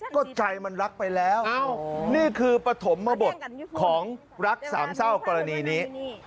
ก็ใจมันรักไปแล้วนี่คือปฐมบทของรักสามเศร้ากรณีนี้